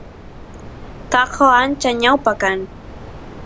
taqo ancha ñawpa kan